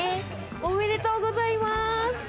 おめでとうございます！